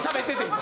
今。